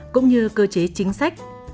cũng như cơ chế chính sách